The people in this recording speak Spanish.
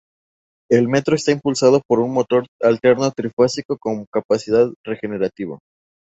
El metro está impulsado por un motor alterno trifásico con capacidad regenerativa.